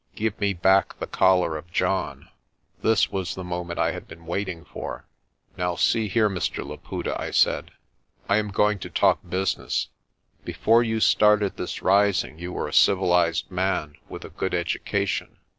"Give me back the collar of John." This was the moment I had been waiting for. "Now see here, Mr. Laputa," I said. "I am going to talk business. Before you started this rising you were a civilised man with a good education.